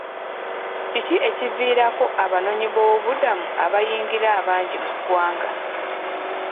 Kiki ekiviirako abanoonyiboobubudamu abayingira abangi mu ggwanga?